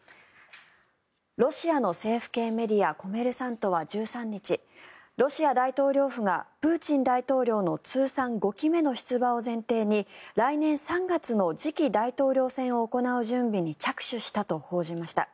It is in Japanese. ロシアの政府系メディアコメルサントは１３日ロシア大統領府がプーチン大統領の通算５期目の出馬を前提に来年３月の次期大統領選を行う準備に着手したと報じました。